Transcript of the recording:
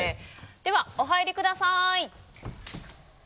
ではお入りください。